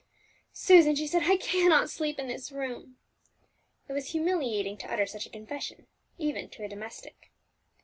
"Susan," she said, "I cannot sleep in this room!" It was humiliating to utter such a confession, even to a domestic.